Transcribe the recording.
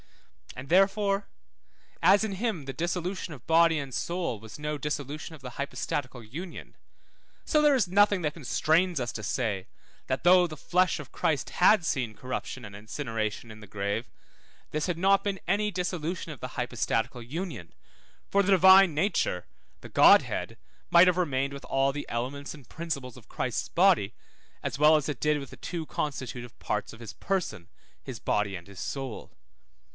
And therefore as in him the dissolution of body and soul was no dissolution of the hypostatical union, so there is nothing that constrains us to say, that though the flesh of Christ had seen corruption and incineration in the grave, this had not been any dissolution of the hypostatical union, for the Divine nature, the Godhead, might have remained with all the elements and principles of Christ's body, as well as it did with the two constitutive parts of his person, his body and his soul.